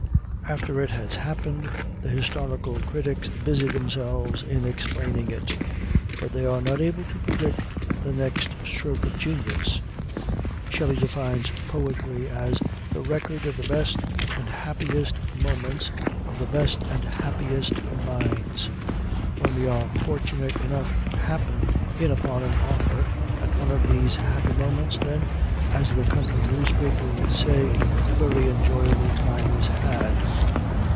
After it has happened, the historical critics busy themselves in explaining it. But they are not able to predict the next stroke of genius. Shelley defines poetry as the record of "the best and happiest moments of the best and happiest minds." When we are fortunate enough to happen in upon an author at one of these happy moments, then, as the country newspaper would say, "a very enjoyable time was had."